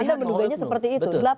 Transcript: anda menunggunya seperti itu